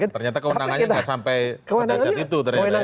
ternyata kewenangannya tidak sampai sedaset itu